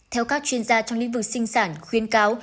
theo các chuyên gia trong lĩnh vực sinh sản khuyến cáo